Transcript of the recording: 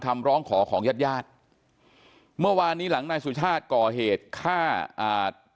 เมื่อวานนี้หลังนายสุชาติก่อเหตุฆ่า